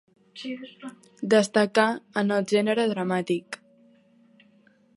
Destacà en el gènere dramàtic.